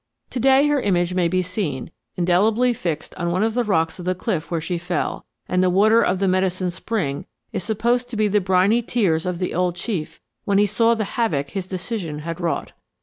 To day her image may be seen indelibly fixed on one of the rocks of the cliff where she fell, and the water of the Medicine Spring is supposed to be the briny tears of the old Chief when he saw the havoc his decision had wrought.